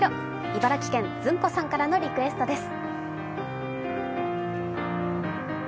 茨城県、ずんこさんからのリクエストです。